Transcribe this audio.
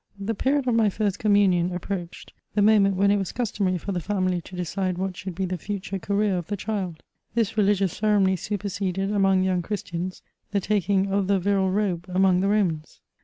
The period of my first commumon approached — ^tfae moment when it was customary for the, family to decide what should be the foture career of the child. This religious ceremony superseded, among young Christians, the taking of the viril robe among the Romans.